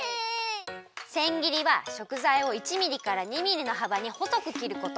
せん切りはしょくざいを１ミリから２ミリのはばにほそく切ること。